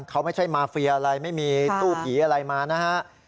เขาไม่ใช่มาเฟียอะไรไม่มีตู้ผีอะไรมานะฮะ